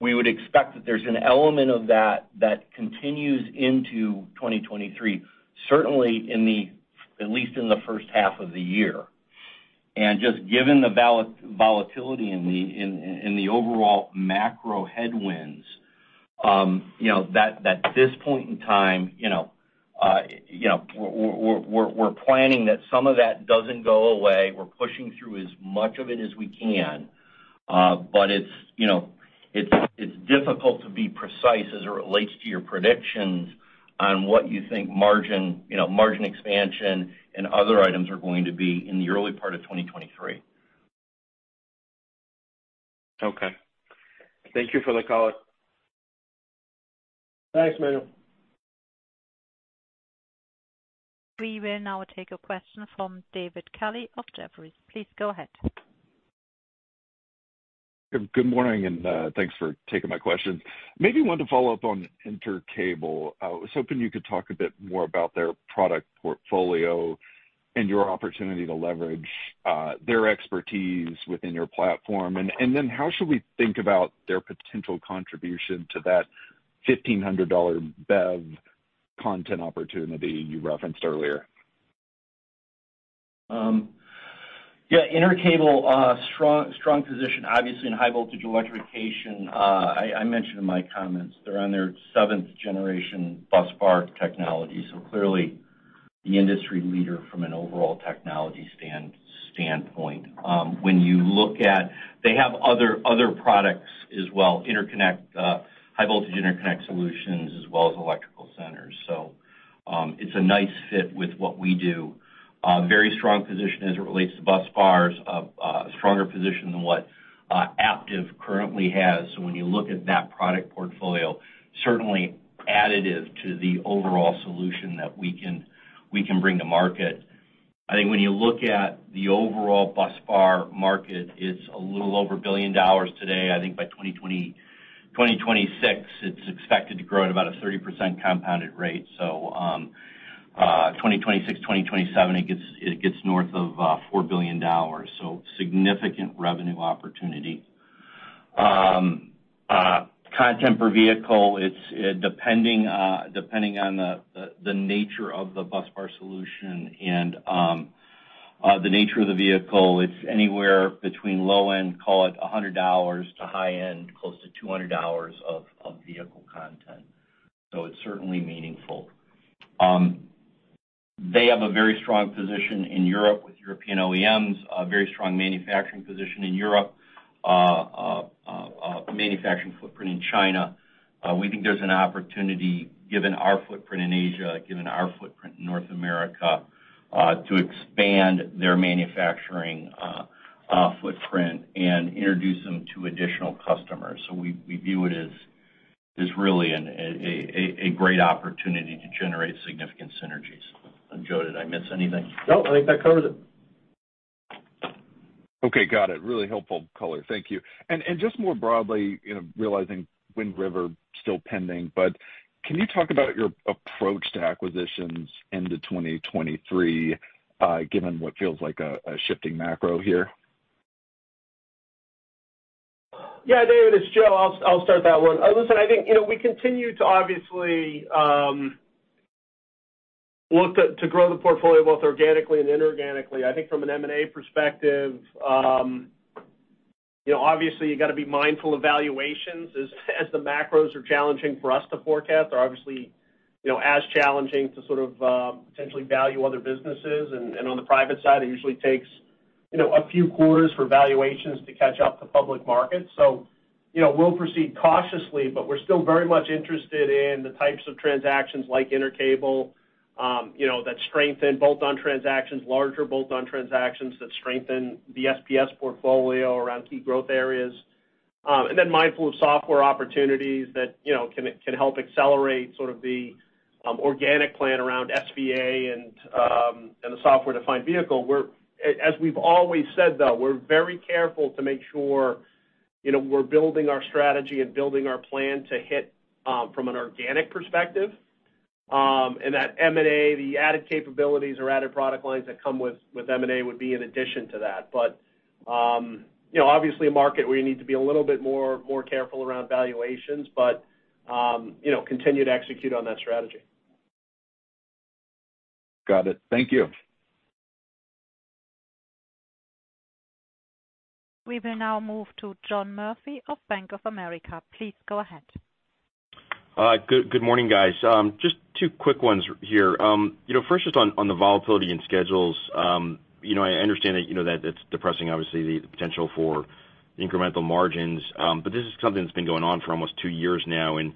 We would expect that there's an element of that that continues into 2023, certainly, at least in the first half of the year. Just given the volatility in the overall macro headwinds, you know, that at this point in time, you know, we're planning that some of that doesn't go away. We're pushing through as much of it as we can, but it's difficult to be precise as it relates to your predictions on what you think margin, you know, margin expansion and other items are going to be in the early part of 2023. Okay. Thank you for the color. Thanks, Emmanuel. We will now take a question from David Kelley of Jefferies. Please go ahead. Good morning, and thanks for taking my question. Maybe want to follow up on Intercable. I was hoping you could talk a bit more about their product portfolio and your opportunity to leverage their expertise within your platform. How should we think about their potential contribution to that $1,500 BEV content opportunity you referenced earlier? Yeah. Intercable, strong position, obviously in high voltage electrification. I mentioned in my comments, they're on their seventh generation busbar technology, so clearly the industry leader from an overall technology standpoint. When you look at. They have other products as well, interconnect, high voltage interconnect solutions, as well as electrical centers. It's a nice fit with what we do. Very strong position as it relates to busbars, stronger position than what Aptiv currently has. When you look at that product portfolio, certainly additive to the overall solution that we can bring to market. I think when you look at the overall busbar market, it's a little over $1 billion today. I think by 2026, it's expected to grow at about a 30% compounded rate. 2026, 2027, it gets north of $4 billion. Significant revenue opportunity. Content per vehicle, it's depending on the nature of the busbar solution and the nature of the vehicle. It's anywhere between low end, call it $100, to high end, close to $200 of vehicle content. It's certainly meaningful. They have a very strong position in Europe with European OEMs, a very strong manufacturing position in Europe, a manufacturing footprint in China. We think there's an opportunity given our footprint in Asia, given our footprint in North America to expand their manufacturing footprint and introduce them to additional customers. We view it as really a great opportunity to generate significant synergies. Joe, did I miss anything? No, I think that covers it. Okay. Got it. Really helpful color. Thank you. Just more broadly, you know, realizing Wind River still pending, but can you talk about your approach to acquisitions into 2023, given what feels like a shifting macro here? Yeah, David, it's Joe. I'll start that one. Listen, I think, you know, we continue to obviously look to grow the portfolio both organically and inorganically. I think from an M&A perspective, you know, obviously you gotta be mindful of valuations as the macros are challenging for us to forecast. They're obviously, you know, as challenging to sort of potentially value other businesses. And on the private side, it usually takes, you know, a few quarters for valuations to catch up to public markets. We'll proceed cautiously, but we're still very much interested in the types of transactions like Intercable, you know, that strengthen bolt-on transactions, larger bolt-on transactions that strengthen the SPS portfolio around key growth areas. Mindful of software opportunities that, you know, can help accelerate sort of the organic plan around SVA and the software-defined vehicle. As we've always said, though, we're very careful to make sure, you know, we're building our strategy and building our plan to hit from an organic perspective. That M&A, the added capabilities or added product lines that come with M&A would be in addition to that. You know, obviously a market where you need to be a little bit more careful around valuations, but you know, continue to execute on that strategy. Got it. Thank you. We will now move to John Murphy of Bank of America. Please go ahead. Good morning, guys. Just two quick ones here. First just on the volatility and schedules. I understand that it's depressing obviously the potential for incremental margins. This is something that's been going on for almost two years now. It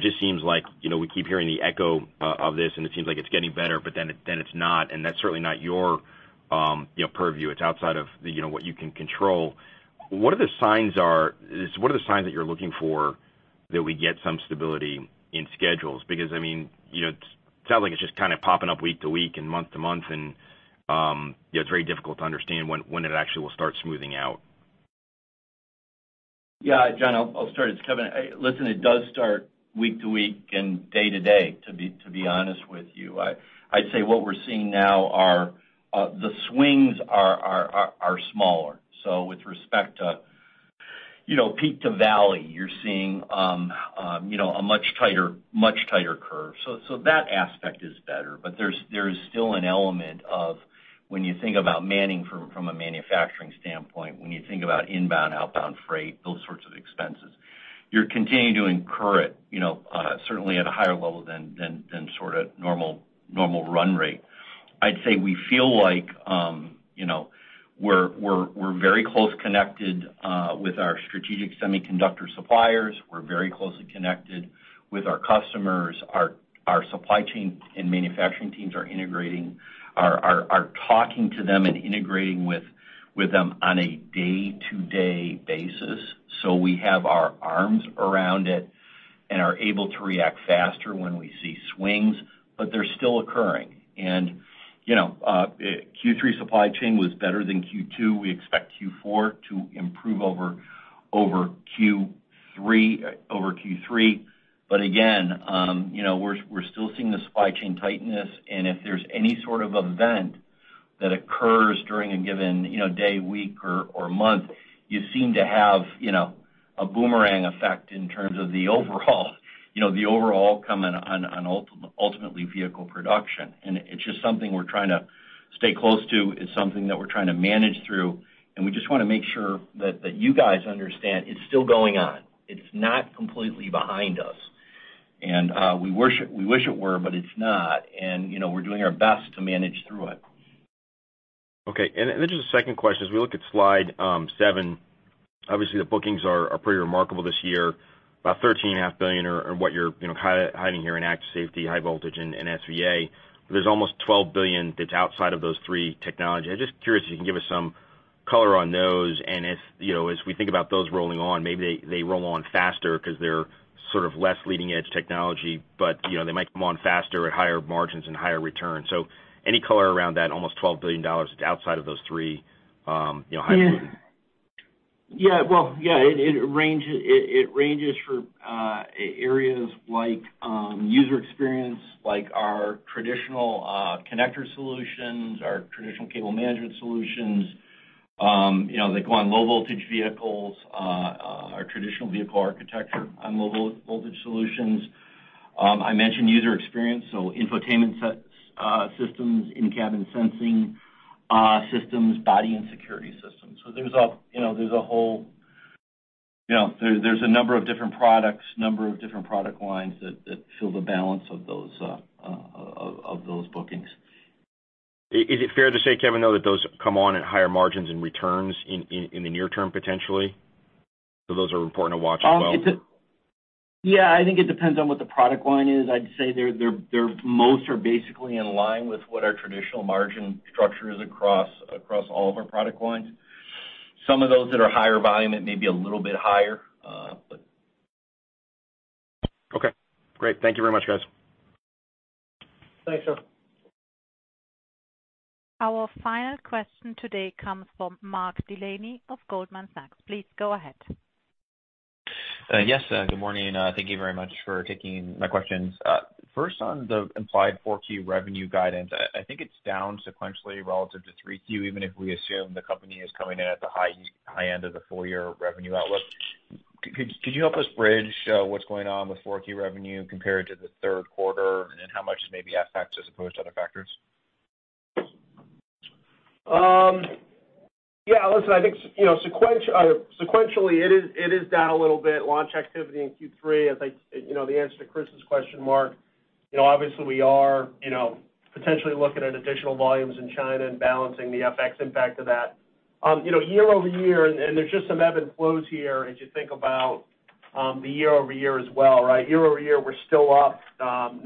just seems like we keep hearing the echo of this, and it seems like it's getting better, but then it's not, and that's certainly not your purview. It's outside of what you can control. What are the signs that you're looking for that we get some stability in schedules? Because, I mean, you know, it sounds like it's just kind of popping up week to week and month to month and, you know, it's very difficult to understand when it actually will start smoothing out. Yeah. John, I'll start. It's Kevin. Listen, it does start week to week and day to day, to be honest with you. I'd say what we're seeing now are the swings are smaller. So with respect to, you know, peak to valley, you're seeing, you know, a much tighter curve. So that aspect is better. But there's still an element of when you think about manning from a manufacturing standpoint, when you think about inbound, outbound freight, those sorts of expenses, you're continuing to incur it, you know, certainly at a higher level than sort of normal run rate. I'd say we feel like, you know, we're very close connected with our strategic semiconductor suppliers. We're very closely connected with our customers. Our supply chain and manufacturing teams are integrating and talking to them and integrating with them on a day-to-day basis. We have our arms around it and are able to react faster when we see swings, but they're still occurring. You know, Q3 supply chain was better than Q2. We expect Q4 to improve over Q3. Again, you know, we're still seeing the supply chain tightness, and if there's any sort of event that occurs during a given, you know, day, week or month, you seem to have, you know, a boomerang effect in terms of the overall, ultimately vehicle production. It's just something we're trying to stay close to. It's something that we're trying to manage through, and we just wanna make sure that you guys understand it's still going on. It's not completely behind us. We wish it were, but it's not. You know, we're doing our best to manage through it. Okay. Just a second question, as we look at slide seven, obviously the bookings are pretty remarkable this year. About $13.5 billion are what you're, you know, highlighting here in active safety, high voltage and SVA. But there's almost $12 billion that's outside of those three technologies. I'm just curious if you can give us some color on those and if, you know, as we think about those rolling on, maybe they roll on faster 'cause they're sort of less leading edge technology, but, you know, they might come on faster at higher margins and higher returns. Any color around that almost $12 billion that's outside of those three, you know, high volume? Yeah. Well, it ranges for areas like user experience, like our traditional connector solutions, our traditional cable management solutions. You know, they go on low voltage vehicles, our traditional vehicle architecture on low voltage solutions. I mentioned user experience, so infotainment systems, in-cabin sensing systems, body and security systems. There's a whole, you know, there's a number of different products, number of different product lines that fill the balance of those bookings. Is it fair to say, Kevin, though, that those come on at higher margins and returns in the near term potentially? Those are important to watch as well? Yeah, I think it depends on what the product line is. I'd say they're most are basically in line with what our traditional margin structure is across all of our product lines. Some of those that are higher volume, it may be a little bit higher. Okay, great. Thank you very much, guys. Thanks, sir. Our final question today comes from Mark Delaney of Goldman Sachs. Please go ahead. Yes, good morning. Thank you very much for taking my questions. First on the implied 4Q revenue guidance. I think it's down sequentially relative to 3Q, even if we assume the company is coming in at the high end of the full year revenue outlook. Could you help us bridge what's going on with 4Q revenue compared to the third quarter? And then how much is maybe FX as opposed to other factors? Yeah, listen, I think, you know, sequentially it is down a little bit, launch activity in Q3. I think, you know the answer to Chris's question, Mark, you know, obviously we are, you know, potentially looking at additional volumes in China and balancing the FX impact of that. You know, year-over-year, and there's just some ebb and flows here as you think about the year-over-year as well, right? Year-over-year, we're still up 9%.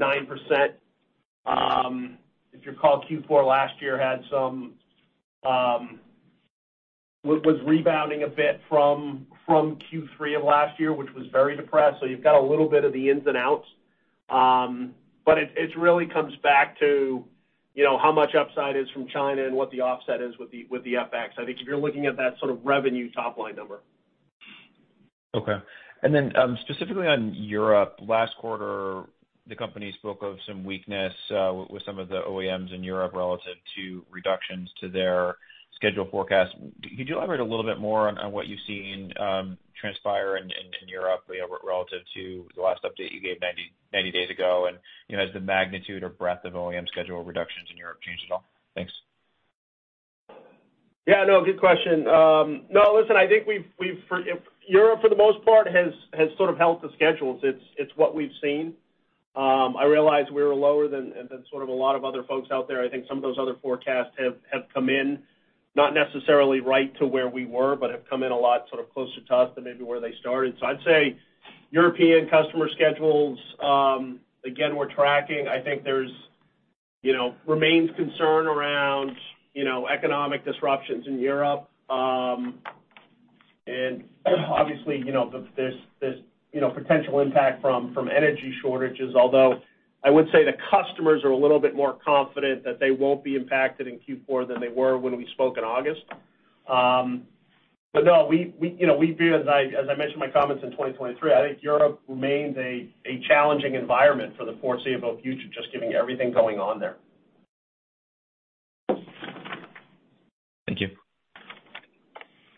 If you recall, Q4 last year had some rebounding a bit from Q3 of last year, which was very depressed, so you've got a little bit of the ins and outs. It really comes back to, you know, how much upside is from China and what the offset is with the FX. I think if you're looking at that sort of revenue top line number. Okay. Specifically on Europe. Last quarter, the company spoke of some weakness with some of the OEMs in Europe relative to reductions to their scheduled forecast. Could you elaborate a little bit more on what you've seen transpire in Europe, you know, relative to the last update you gave 90 days ago? You know, has the magnitude or breadth of OEM schedule reductions in Europe changed at all? Thanks. Yeah, no, good question. No, listen, I think Europe for the most part has sort of held the schedules. It's what we've seen. I realize we were lower than sort of a lot of other folks out there. I think some of those other forecasts have come in, not necessarily right to where we were, but have come in a lot sort of closer to us than maybe where they started. I'd say European customer schedules, again, we're tracking. I think there's, you know, remains concern around, you know, economic disruptions in Europe. And obviously, you know, there's, you know, potential impact from energy shortages, although I would say the customers are a little bit more confident that they won't be impacted in Q4 than they were when we spoke in August. No, we you know, we view, as I mentioned in my comments in 2023, I think Europe remains a challenging environment for the foreseeable future, just given everything going on there. Thank you.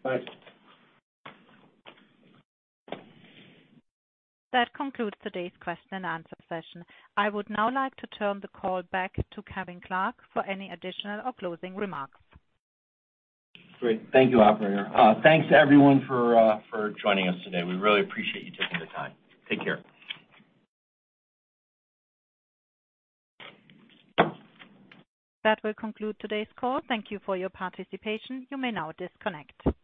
Thanks. That concludes today's question and answer session. I would now like to turn the call back to Kevin Clark for any additional or closing remarks. Great. Thank you, operator. Thanks everyone for joining us today. We really appreciate you taking the time. Take care. That will conclude today's call. Thank you for your participation. You may now disconnect.